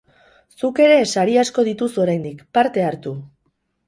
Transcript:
Zuk ere sari asko dituzu oraindik, parte hartu!